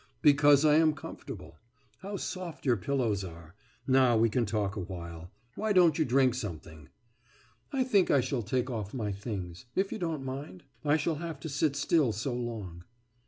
»Because I am comfortable.... How soft your pillows are! Now we can talk awhile. Why don't you drink something?« »I think I shall take off my things ... if you don't mind? I shall have to sit still so long.